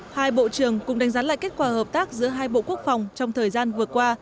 hai bộ trưởng cùng đánh giá lại kết quả hợp tác giữa hai bộ quốc phòng trong thời gian vừa qua